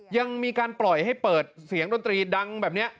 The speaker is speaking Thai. ยังมีการปล่อยให้เปิดเสียงดนตรีดังแบบนี้